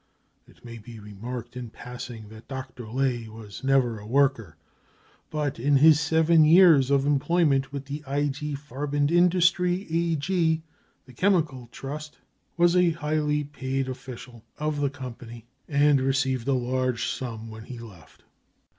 It may be remarked in passing that Dr. Ley was never a worker, but in his seven years of employment with the I, G. Farbenindustrie, A.G. (the chemical trust), was a highly paid official of the company, and received a large sum when he left.